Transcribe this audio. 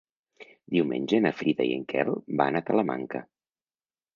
Diumenge na Frida i en Quel van a Talamanca.